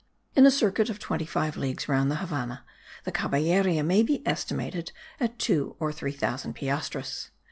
In a circuit of twenty five leagues round the Havannah the caballeria may be estimated at two or three thousand piastres.